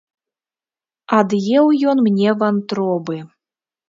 Ад'еў ён мне вантробы!